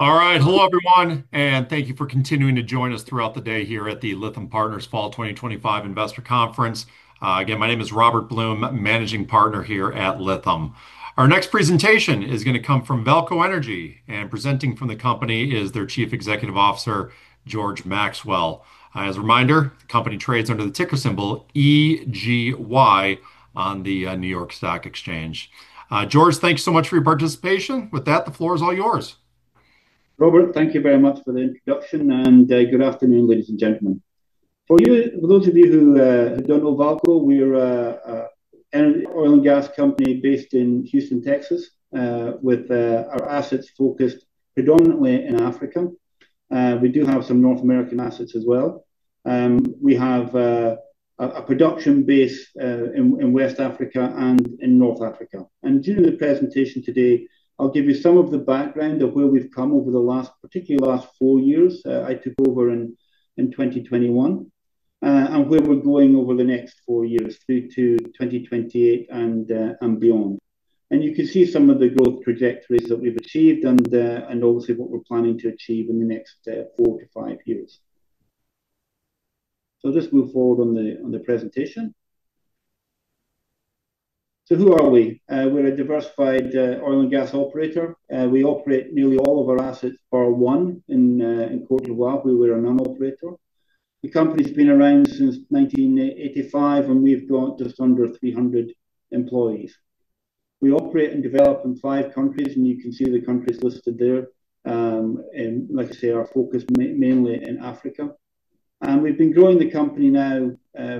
All right, hello everyone, and thank you for continuing to join us throughout the day here at the Lytham Partners Fall 2025 Investor Conference. Again, my name is Robert Blum, Managing Partner here at Lytham. Our next presentation is going to come from VAALCO Energy, and presenting from the company is their Chief Executive Officer, George Maxwell. As a reminder, the company trades under the ticker symbol EGY on the New York Stock Exchange. George, thank you so much for your participation. With that, the floor is all yours. Robert, thank you very much for the introduction, and good afternoon, ladies and gentlemen. For those of you who don't know VAALCO, we're an oil and gas company based in Houston, Texas, with our assets focused predominantly in Africa. We do have some North American assets as well. We have a production base in West Africa and in North Africa. During the presentation today, I'll give you some of the background of where we've come over the last, particularly the last four years. I took over in 2021 and where we're going over the next four years, through to 2028 and beyond. You can see some of the growth trajectories that we've achieved and obviously what we're planning to achieve in the next four to five years. I'll just move forward on the presentation. Who are we? We're a diversified oil and gas operator. We operate nearly all of our assets. For one in Côte d’Ivoire, we're a non-operator. The company's been around since 1985, and we've grown to just under 300 employees. We operate and develop in five countries, and you can see the countries listed there. Like I say, our focus is mainly in Africa. We've been growing the company now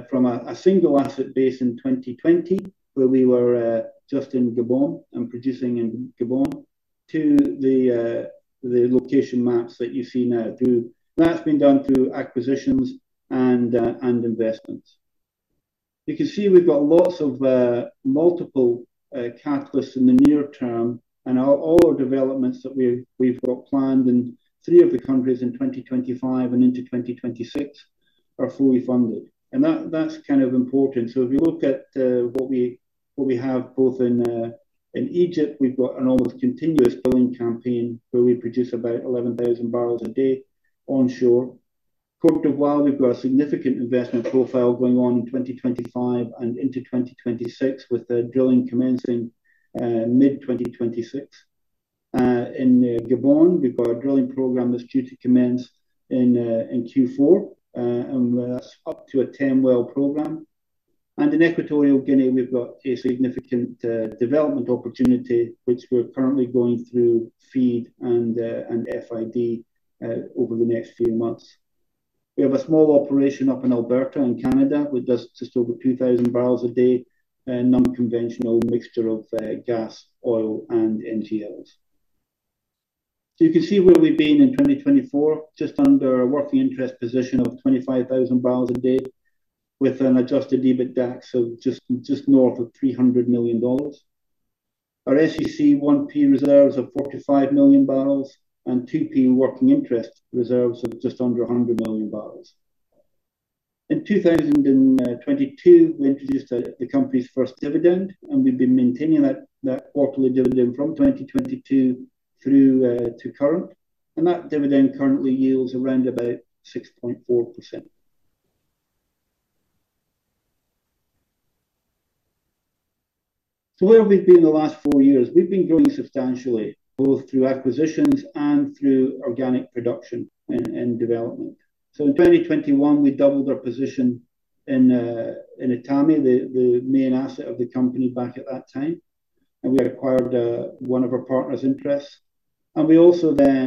from a single asset base in 2020, where we were just in Gabon and producing in Gabon, to the location maps that you see now. That's been done through acquisitions and investments. You can see we've got lots of multiple catalysts in the near term, and all our developments that we've got planned in three of the countries in 2025 and into 2026 are fully funded. That's kind of important. If you look at what we have both in Egypt, we've got an almost continuous drilling campaign where we produce about 11,000 barrels per day onshore. In Côte d’Ivoire, we've got a significant investment profile going on in 2025 and into 2026, with drilling commencing mid-2026. In Gabon, we've got a drilling program that's due to commence in Q4, and that's up to a 10-well program. In Equatorial Guinea, we've got a significant development opportunity, which we're currently going through FEED and FID over the next few months. We have a small operation up in Alberta, Canada, which does just over 2,000 barrels per day, a non-conventional mixture of gas, oil, and energy. You can see where we've been in 2024, just under a working interest position of 25,000 barrels per day, with an adjusted EBITDA of just north of $300 million. Our SEC 1P reserves are 45 million barrels, and 2P working interest reserves are just under 100 million barrels. In 2022, we introduced the company's first dividend, and we've been maintaining that quarterly dividend from 2022 through to current. That dividend currently yields around about 6.4%. Where have we been in the last four years? We've been growing substantially, both through acquisitions and through organic production and development. In 2021, we doubled our position in Etame, the main asset of the company back at that time. We acquired one of our partners' interests. We also then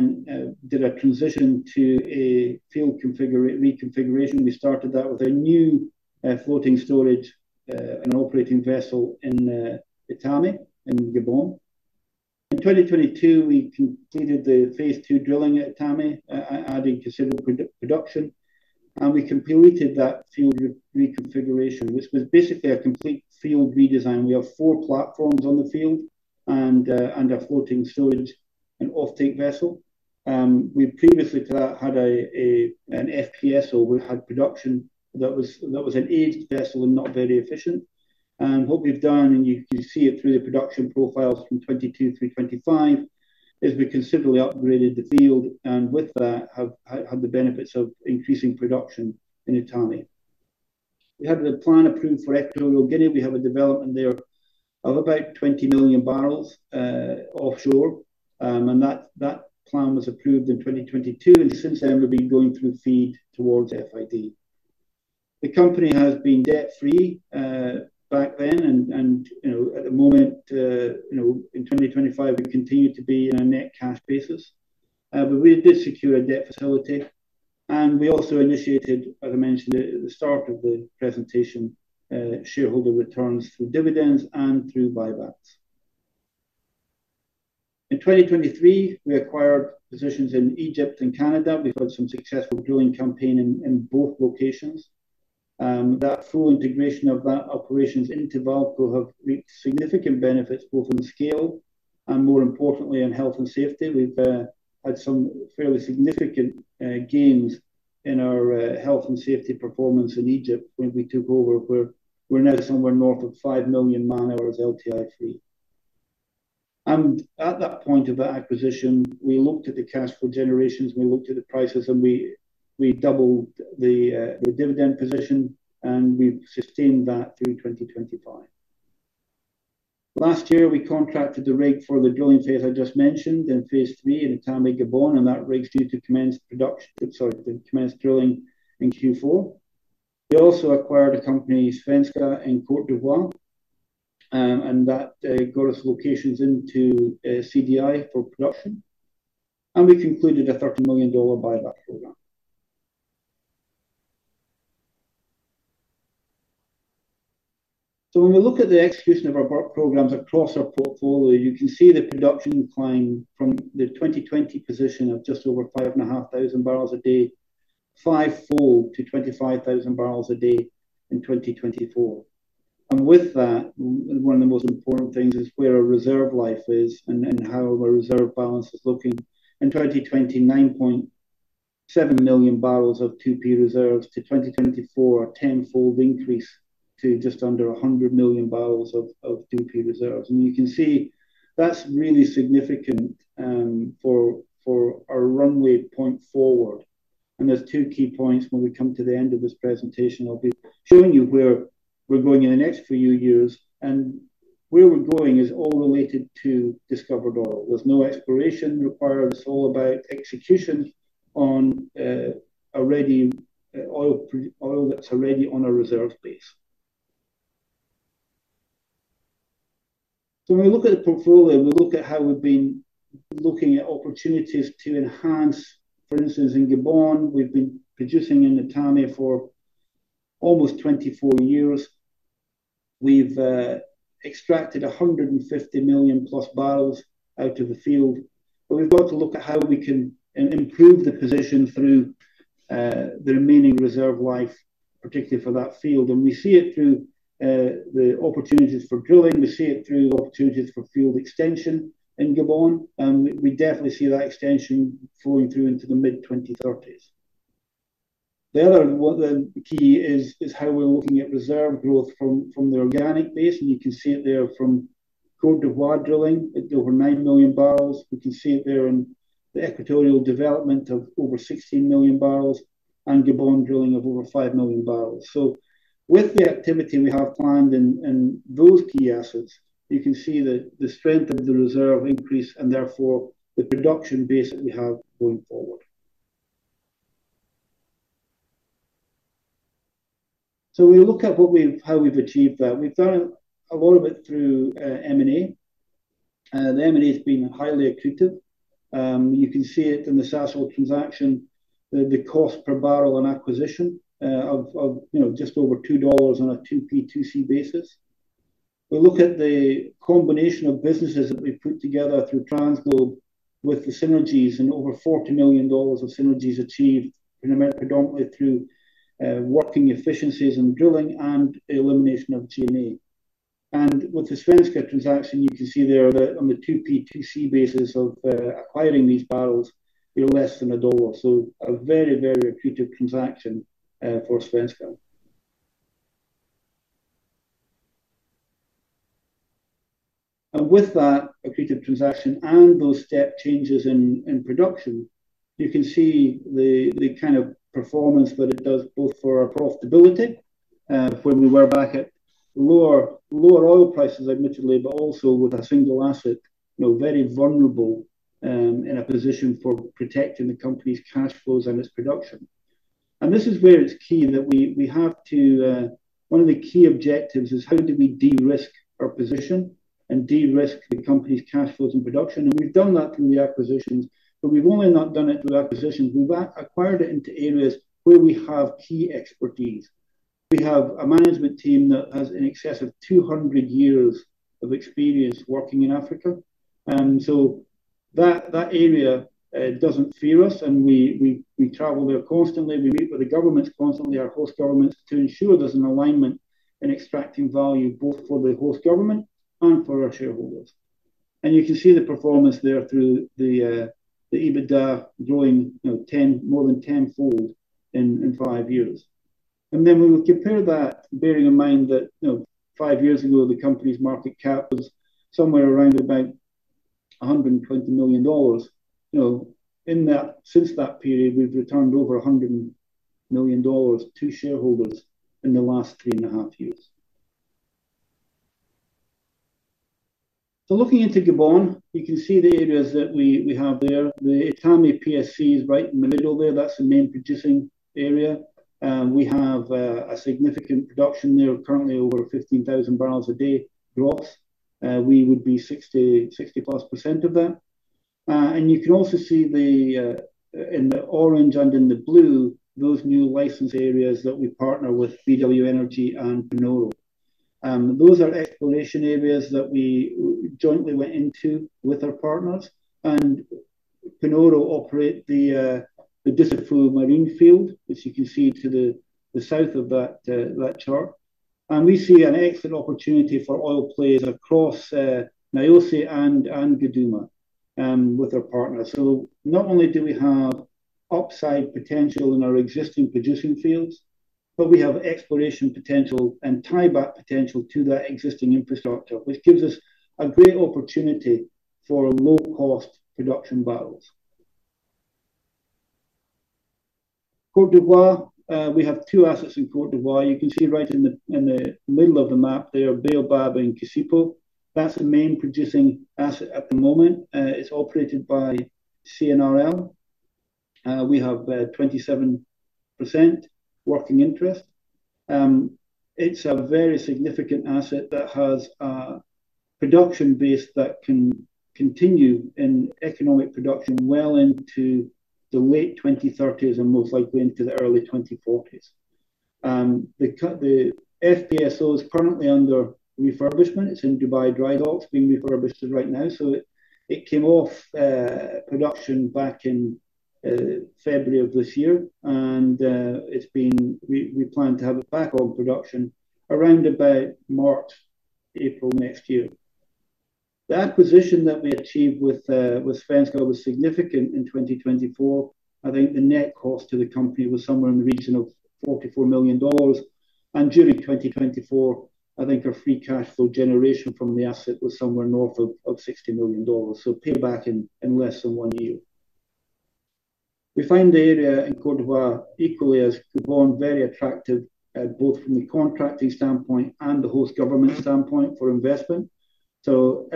did a transition to a field reconfiguration. We started that with a new floating storage and an operating vessel in Etame, in Gabon. In 2022, we completed the phase two drilling at Etame, adding considerable production. We completed that field reconfiguration, which was basically a complete field redesign. We have four platforms on the field and a floating storage and offtake vessel. We previously had an FPSO, which had production that was an aged vessel and not very efficient. What we've done, and you can see it through the production profiles from 2022 through 2025, is we've considerably upgraded the field and with that have had the benefits of increasing production in Etame. We had the plan approved for Equatorial Guinea. We have a development there of about 20 million barrels offshore. That plan was approved in 2022. Since then, we've been going through FEED towards FID. The company has been debt-free back then. At the moment, in 2025, we continue to be on a net cash basis. We did secure a debt facility. We also initiated, as I mentioned at the start of the presentation, shareholder returns through dividends and through buybacks. In 2023, we acquired positions in Egypt and Canada. We've had some successful drilling campaigns in both locations. That full integration of our operations into VAALCO has reached significant benefits, both in scale and more importantly, in health and safety. We've had some fairly significant gains in our health and safety performance in Egypt when we took over. We're now somewhere north of 5 million man-hours LTIC. At that point of acquisition, we looked at the cash flow generations. We looked at the prices, and we doubled the dividend position. We've sustained that through 2025. Last year, we contracted the rig for the drilling phase I just mentioned in phase three at Etame, Gabon. That rig's due to commence drilling in Q4. We also acquired a company, Svenska in Côte d’Ivoire. That got us locations into Côte d'Ivoire for production. We concluded a $30 million buyback program. When we look at the execution of our programs across our portfolio, you can see the production increase from the 2020 position of just over 5,500 barrels per day, five-fold to 25,000 barrels per day in 2024. One of the most important things is where our reserve life is and how our reserve balance is looking. In 2020, 9.7 million barrels of 2P reserves to 2024, a tenfold increase to just under 100 million barrels of 2P reserves. You can see that's really significant for our runway point forward. There are two key points when we come to the end of this presentation. I'll be showing you where we're going in the next few years. Where we're going is all related to discovered oil. There's no exploration required. It's all about execution on oil that's already on a reserve base. When we look at the portfolio, we look at how we've been looking at opportunities to enhance. For instance, in Gabon, we've been producing in Etame for almost 24 years. We've extracted 150 million plus barrels out of the field. We've got to look at how we can improve the position through the remaining reserve life, particularly for that field. We see it through the opportunities for drilling. We see it through opportunities for field extension in Gabon. We definitely see that extension forward through into the mid-2030s. The other key is how we're looking at reserve growth from the organic base. You can see it there from Côte d’Ivoire drilling at over 9 million barrels. You can see it there in the Equatorial Guinea development of over 16 million barrels and Gabon drilling of over 5 million barrels. With the activity we have planned in those key assets, you can see the strength of the reserve increase and therefore the production base that we have going forward. We look at how we've achieved that. We've done a lot of it through M&A. The M&A has been highly accretive. You can see it in the Sasol transaction, the cost per barrel on acquisition of just over $2 on a 2P2C basis. We look at the combination of businesses that we put together through TransGlobe with the synergies and over $40 million of synergies achieved predominantly through working efficiencies in drilling and elimination of G&A. With the Svenska transaction, you can see there on the 2P2C basis of acquiring these barrels, you're less than a dollar. A very, very accretive transaction for Svenska. With that accretive transaction and those step changes in production, you can see the kind of performance that it does both for our profitability when we were back at lower oil prices, admittedly, but also with a single asset, you know, very vulnerable in a position for protecting the company's cash flows and its production. This is where it's key that we have to, one of the key objectives is how do we de-risk our position and de-risk the company's cash flows and production. We've done that through the acquisitions, but we've only not done it through the acquisitions. We've acquired it into areas where we have key expertise. We have a management team that has in excess of 200 years of experience working in Africa. That area doesn't fear us, and we travel there constantly. We meet with the government constantly, our host government, to ensure there's an alignment in extracting value both for the host government and for our shareholders. You can see the performance there through the EBITDA growing more than tenfold in five years. We would compare that, bearing in mind that five years ago, the company's market cap was somewhere around about $120 million. Since that period, we've returned over $100 million to shareholders in the last three and a half years. Looking into Gabon, you can see the areas that we have there. The Etame PSC is right in the middle there. That's the main producing area. We have a significant production there, currently over 15,000 barrels per day. We would be 60+% of that. You can also see, in the orange and in the blue, those new license areas that we partner with BW Energy and Panoro. Those are exploration areas that we jointly went into with our partners. Panoro operates the Dussafu Marin field, which you can see to the south of that chart. We see an excellent opportunity for oil plays across Niosi and Guduma with our partners. Not only do we have upside potential in our existing producing fields, but we have exploration potential and tieback potential to that existing infrastructure, which gives us a great opportunity for low-cost production barrels. Côte d’Ivoire, we have two assets in Côte d’Ivoire. You can see right in the middle of the map there, Baobab and Kossipo. That's the main producing asset at the moment. It's operated by CNRL. We have 27% working interest. It's a very significant asset that has a production base that can continue in economic production well into the late 2030s and most likely into the early 2040s. The FPSO is currently under refurbishment. It's in Dubai Dry Dock, being refurbished right now. It came off production back in February of this year. We plan to have it back on production around March or April next year. The acquisition that we achieved with Svenska was significant in 2024. I think the net cost to the company was somewhere in the region of $44 million. During 2024, I think our free cash flow generation from the asset was somewhere north of $60 million, so piggybacking in less than one year. We find the area in Côte d’Ivoire equally as the bond very attractive, both from a contracting standpoint and the host government standpoint for investment.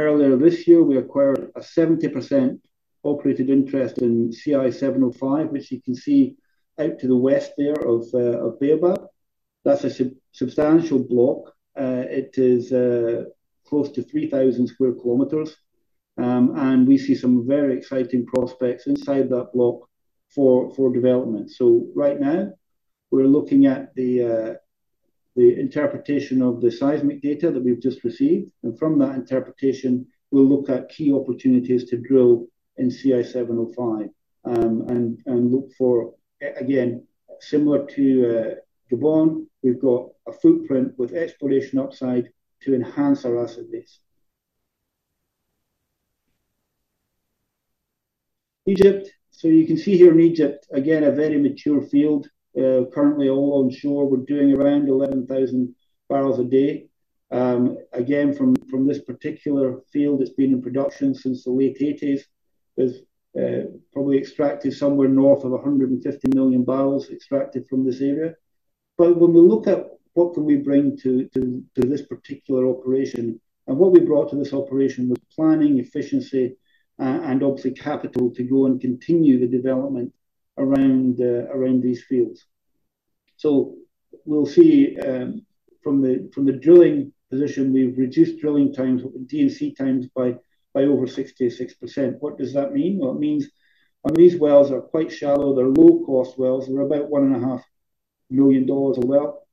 Earlier this year, we acquired a 70% operated interest in CI-705, which you can see out to the west there of Baobab. That's a substantial block. It is close to 3,000 square kilometers. We see some very exciting prospects inside that block for development. Right now, we're looking at the interpretation of the seismic data that we've just received. From that interpretation, we'll look at key opportunities to drill in CI-705 and look for, again, similar to Gabon, we've got a footprint with exploration upside to enhance our asset base. Egypt, so you can see here in Egypt, again, a very mature field. Currently, all onshore, we're doing around 11,000 barrels per day. Again, from this particular field, it's been in production since the late 1980s. There's probably somewhere north of 150 million barrels extracted from this area. When we look at what can we bring to this particular operation and what we brought to this operation with planning, efficiency, and obviously capital to go and continue the development around these fields. We'll see from the drilling position, we've reduced drilling times, DMC times by over 66%. What does that mean? It means when these wells are quite shallow, they're low-cost wells. They're about $1.5 million a well.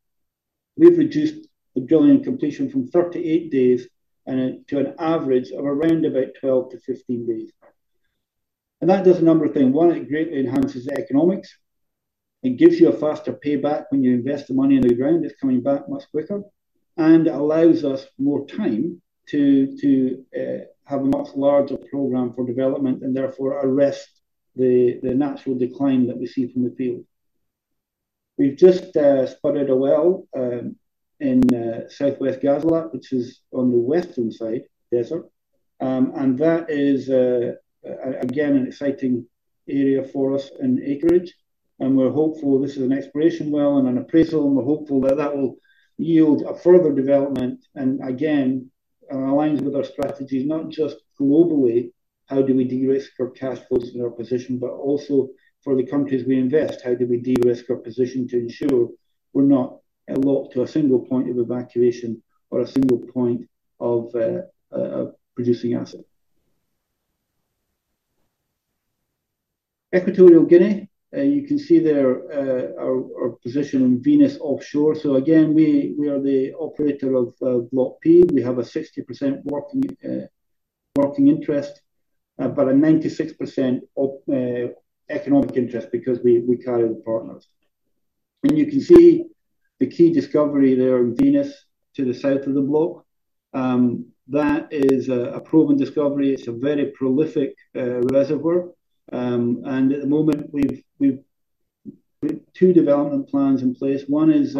We've reduced the drilling completion from 38 days to an average of around 12-15 days. That does a number of things. One, it greatly enhances the economics. It gives you a faster payback when you invest the money in the ground. It's coming back much quicker, and it allows us more time to have a much larger program for development and therefore arrest the natural decline that we see from the field. We've just spotted a well in Southwest Ghazalat, which is on the Western Desert side, and that is, again, an exciting area for us in acreage. We're hopeful, this is an exploration well and an appraisal, and we're hopeful that that will yield a further development. It aligns with our strategy, not just globally, how do we de-risk our cash flows and our position, but also for the countries we invest, how do we de-risk our position to ensure we're not locked to a single point of evacuation or a single point of producing assets. Equatorial Guinea, you can see there our position in Venus offshore. We are the operator of Block P. We have a 60% working interest, but a 96% economic interest because we carry the partners. You can see the key discovery there in Venus to the south of the block. That is a proven discovery. It's a very prolific reservoir. At the moment, we've put two development plans in place. One is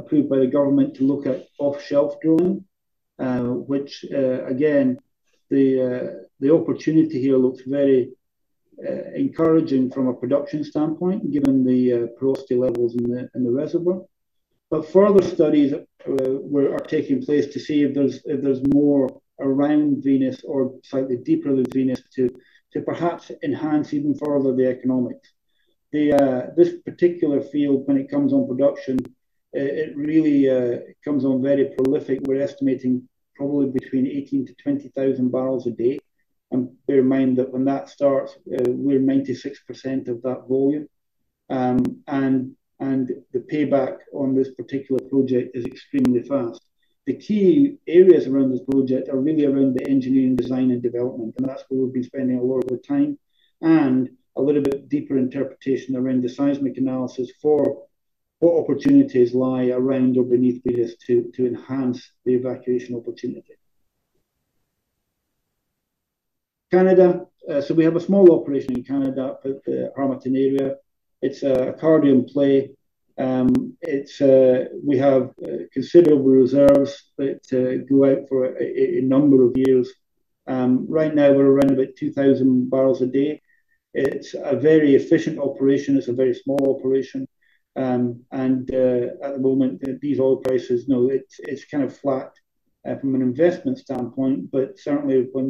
approved by the government to look at off-shelf drilling, which, again, the opportunity here looks very encouraging from a production standpoint, given the porosity levels in the reservoir. Further studies are taking place to see if there's more around Venus or slightly deeper than Venus to perhaps enhance even further the economics. This particular field, when it comes on production, it really comes on very prolific. We're estimating probably between 18,000-20,000 barrels per day. Bear in mind that when that starts, we're 96% of that volume, and the payback on this particular project is extremely fast. The key areas around this project are really around the engineering, design, and development. That's where we've been spending a lot of our time, and a little bit deeper interpretation around the seismic analysis for what opportunities lie around or beneath Venus to enhance the evacuation opportunity. Canada, we have a small operation in Canada, the [Harmattan] area. It's a carrion play. We have considerable reserves that go out for a number of years. Right now, we're around about 2,000 barrels per day. It's a very efficient operation. It's a very small operation. At the moment, these oil prices, no, it's kind of flat from an investment standpoint. Certainly, when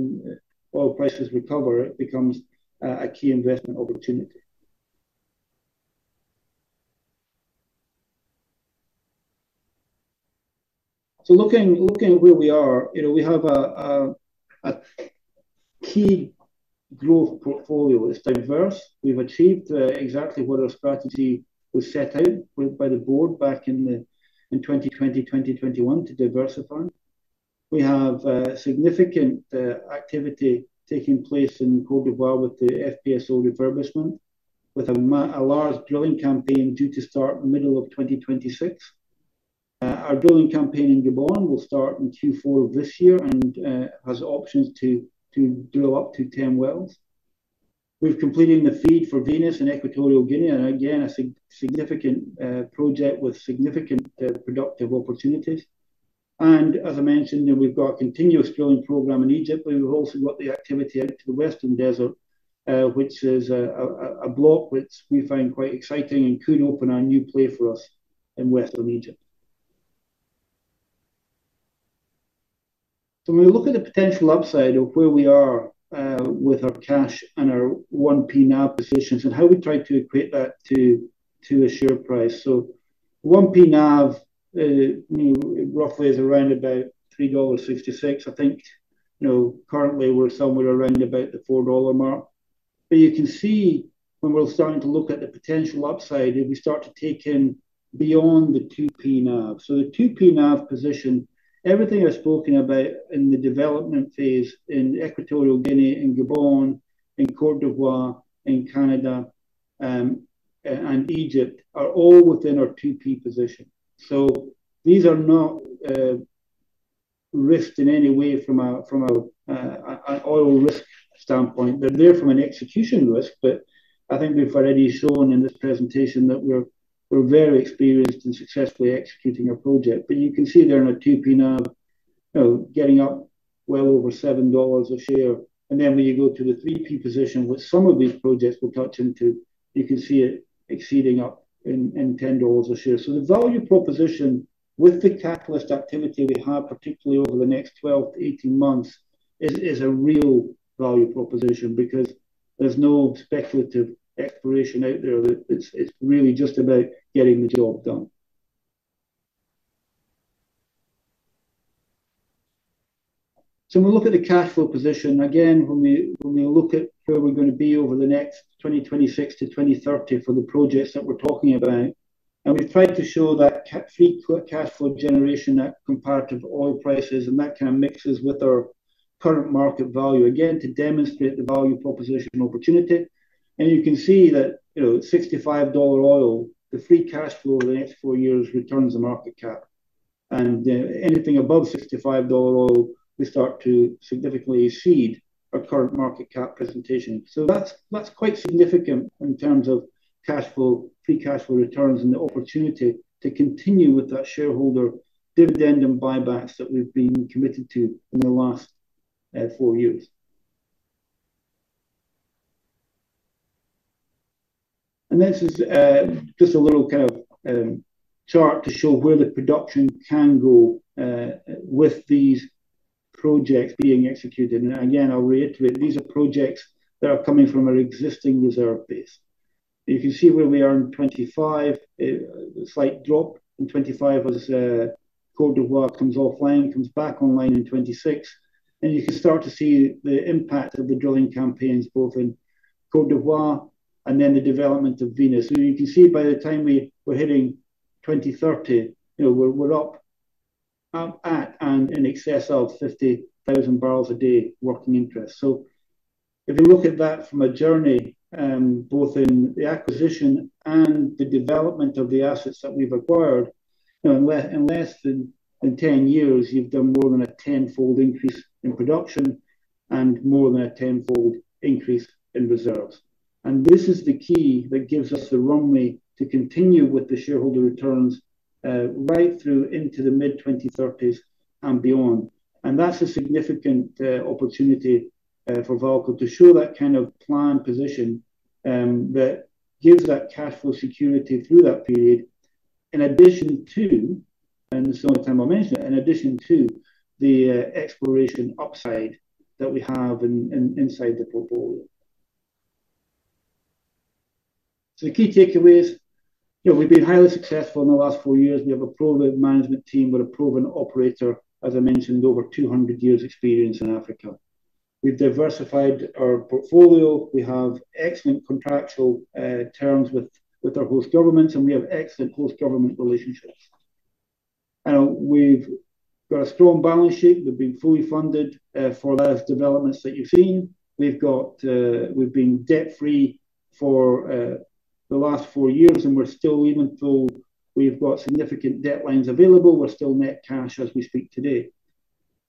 oil prices recover, it becomes a key investment opportunity. Looking at where we are, you know, we have a key growth portfolio. It's diverse. We've achieved exactly what our strategy was set out by the board back in 2020, 2021 to diversify. We have significant activity taking place in Côte d’Ivoire with the FPSO refurbishment, with a large drilling campaign due to start in the middle of 2026. Our drilling campaign in Gabon will start in Q4 of this year and has options to drill up to 10 wells. We've completed the FEED for Venus in Equatorial Guinea, and again, a significant project with significant productive opportunities. As I mentioned, we've got a continuous drilling program in Egypt. We've also got the activity out to the Western Desert, which is a block which we find quite exciting and could open a new play for us in western Egypt. When we look at the potential upside of where we are with our cash and our 1P NAV positions and how we try to equate that to a share price, 1P NAV roughly is around about $3.66. I think, you know, currently we're somewhere around about the $4 mark. You can see when we're starting to look at the potential upside, if we start to take in beyond the 2P NAV. The 2P NAV position, everything I've spoken about in the development phase in Equatorial Guinea and Gabon and Côte d'Ivoire and Canada and Egypt are all within our 2P position. These are not risked in any way from an oil risk standpoint. They're there from an execution risk, but I think we've already shown in this presentation that we're very experienced in successfully executing a project. You can see there on a 2P NAV, you know, getting up well over $7 a share. When you go to the 3P position, which some of these projects will touch into, you can see it exceeding up in $10 a share. The value proposition with the catalyst activity we have, particularly over the next 12-18 months, is a real value proposition because there's no speculative exploration out there. It's really just about getting the job done. When we look at the cash flow position, again, when we look at where we're going to be over the next 2026-2030 for the projects that we're talking about, and we've tried to show that cash flow generation compared to the oil prices, and that kind of mixes with our current market value, again, to demonstrate the value proposition opportunity. You can see that $65 oil, the free cash flow over the next four years returns the market cap. Anything above $65 oil, we start to significantly exceed our current market cap presentation. That's quite significant in terms of cash flow, free cash flow returns, and the opportunity to continue with that shareholder dividend and buybacks that we've been committed to in the last four years. This is just a little kind of chart to show where the production can go with these projects being executed. I'll reiterate, these are projects that are coming from our existing reserve base. You can see where we are in 2025, a slight drop in 2025 as Côte d’Ivoire comes offline, comes back online in 2026. You can start to see the impact of the drilling campaigns both in Côte d’Ivoire and then the development of Venus. You can see by the time we're hitting 2030, we're up at and in excess of 50,000 barrels per day of working interest. If you look at that from a journey, both in the acquisition and the development of the assets that we've acquired, in less than 10 years, you've done more than a tenfold increase in production and more than a tenfold increase in reserves. This is the key that gives us the runway to continue with the shareholder returns right through into the mid-2030s and beyond. That's a significant opportunity for VAALCO Energy to show that kind of planned position that gives that cash flow security through that period. In addition to, and this is the only time I'll mention it, in addition to the exploration upside that we have inside the portfolio. The key takeaways, we've been highly successful in the last four years. We have a proven management team with a proven operator, as I mentioned, over 200 years of experience in Africa. We've diversified our portfolio. We have excellent contractual terms with our host governments, and we have excellent host government relationships. We've got a strong balance sheet. We've been fully funded for those developments that you've seen. We've been debt-free for the last four years, and even though we've got significant debt lines available, we're still net cash as we speak today.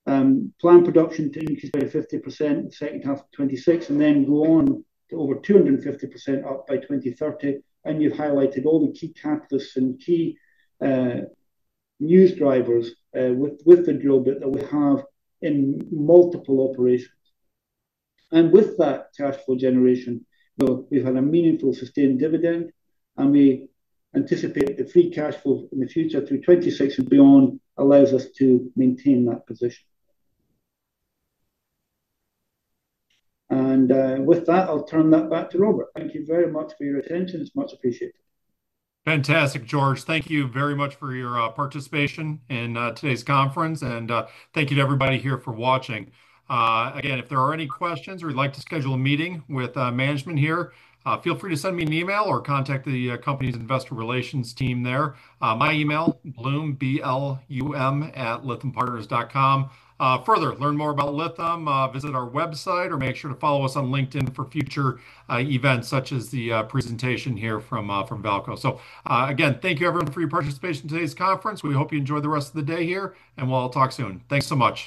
Planned production to increase by 50% in the second half of 2026, and then go on to over 250% up by 2030. You've highlighted all the key catalysts and key news drivers with the drill that we have in multiple operations. With that cash flow generation, we've had a meaningful, sustained dividend, and we anticipate free cash flow in the future through 2026 and beyond, which allows us to maintain that position. I'll turn that back to Robert. Thank you very much for your attention. It's much appreciated. Fantastic, George. Thank you very much for your participation in today's conference, and thank you to everybody here for watching. If there are any questions or you'd like to schedule a meeting with management here, feel free to send me an email or contact the company's investor relations team. My email, blum, B-L-U-M, at lythampartners.com. To learn more about Lytham Partners, visit our website, or make sure to follow us on LinkedIn for future events such as the presentation here from VAALCO. Thank you everyone for your participation in today's conference. We hope you enjoy the rest of the day here, and we'll talk soon. Thanks so much.